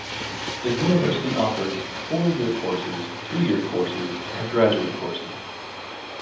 The university offers Four-Year Courses, Two-Year Courses, and Graduate Courses.